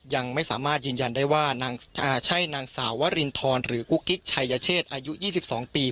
ยังไม่สามารถยืนยันได้ว่านางอ่าใช่นางสาวว่ารินทรหรือกุ๊กิ๊กชายเชศอายุยี่สิบสองปี